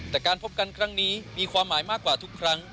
แต่การพบกันครั้งนี้มีความหมายมากกว่าทุกครั้ง